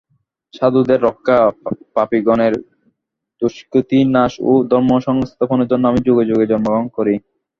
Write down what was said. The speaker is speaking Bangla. সাধুদের রক্ষা, পাপিগণের দুষ্কৃতিনাশ ও ধর্মসংস্থাপনের জন্য আমি যুগে যুগে জন্মগ্রহণ করি।